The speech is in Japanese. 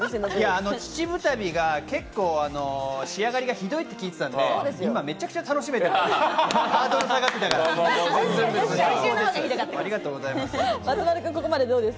秩父旅の結構仕上がりがひどいって聞いていたので、今めちゃくちゃ楽しめてるからハードル下がってるから、ありがとうございます。